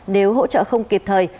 nếu hỗ trợ không kịp thời